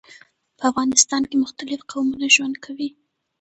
په افغانستان کي مختلیف قومونه ژوند کوي.